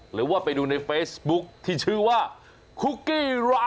หรือว่าไปดูในเฟซบุ๊คที่ชื่อว่าคุกกี้รัก